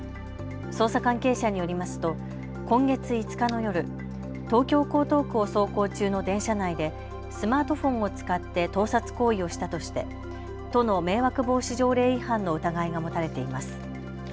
捜査関係者によりますと今月５日の夜東京江東区を走行中の電車内でスマートフォンを使って盗撮行為をしたとして都の迷惑防止条例違反の疑いが持たれています。